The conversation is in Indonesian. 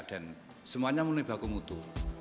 dan semuanya menunjukkan baku mutu